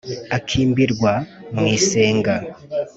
Akimbirwa mu isenga